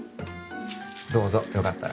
どうぞよかったら